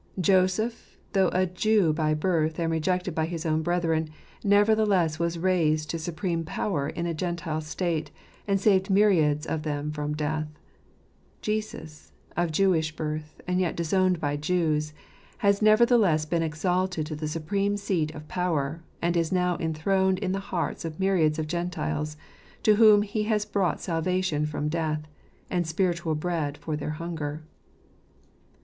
Joseph, though a Jew by birth and rejected by his own brethren, nevertheless was raised to supreme power in a Gentile state, and saved myriads of them from death ; Jesus, of Jewish birth and yet disowned by Jews, has nevertheless been exalted to the supreme seat of power, and is now enthroned in the hearts of myriads of Gentiles, to whom He has brought salvation from death, and spiritual bread for their hunger.